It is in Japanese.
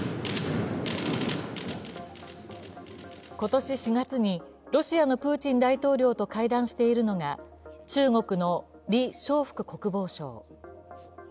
今年４月にロシアのプーチン大統領と会談しているのが中国の李尚福国防相。